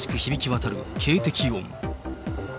けたたましく響き渡る警笛音。